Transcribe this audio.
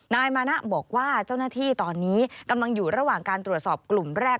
นายมานะบอกว่าเจ้าหน้าที่ตอนนี้กำลังอยู่ระหว่างการตรวจสอบกลุ่มแรก